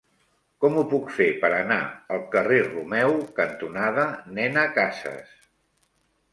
Com ho puc fer per anar al carrer Romeu cantonada Nena Casas?